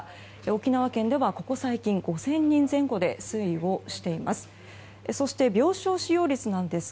沖縄県では、ここ最近５０００人前後で推移しています。